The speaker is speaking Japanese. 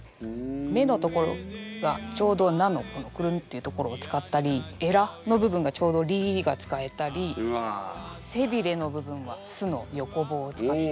目の所がちょうど「な」のクルンッていう所を使ったりエラの部分がちょうど「り」が使えたり背びれの部分は「す」の横棒を使って。